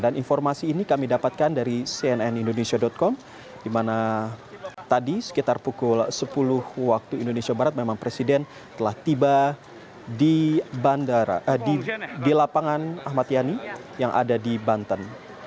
dan informasi ini kami dapatkan dari cnnindonesia com di mana tadi sekitar pukul sepuluh waktu indonesia barat memang presiden telah tiba di lapangan ahmad yani yang ada di banten